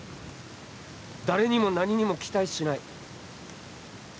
誰にも何にも期待しない。